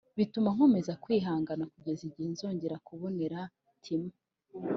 Bituma nkomeza kwihangana kugeza igihe nzongera kubonera Timo